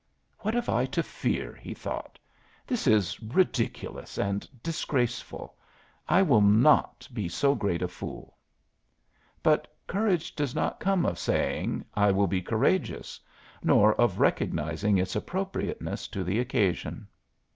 "What have I to fear?" he thought. "This is ridiculous and disgraceful; I will not be so great a fool." But courage does not come of saying, "I will be courageous," nor of recognizing its appropriateness to the occasion.